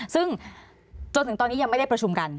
ซึ่งจนถึงตอนนี้ยังไม่ได้ประชุมกัน